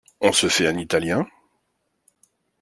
On se fait un italien?